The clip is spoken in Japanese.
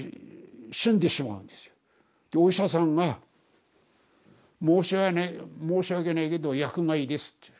お医者さんが「申し訳ないけど薬害です」って言う。